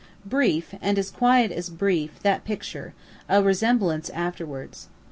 Brief, and as quiet as brief, that picture a remembrance always afterwards.